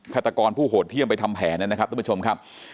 ฆาตกรผู้โหดเยี่ยมไปทำแผนนะครับทุกผู้ชมครับ